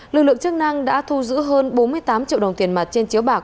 lực lượng chức năng đã thu giữ hơn bốn mươi tám triệu đồng tiền mặt trên chiếu bạc